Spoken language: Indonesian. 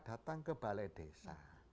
datang ke balai desa